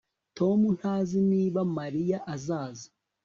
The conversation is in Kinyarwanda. Tom ntazi niba Mariya azaza